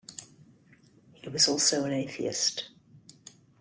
He was also an atheist.